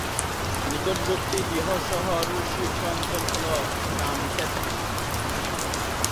নিকটবর্তী বৃহৎ শহর ও শিল্পাঞ্চল হল জামশেদপুর।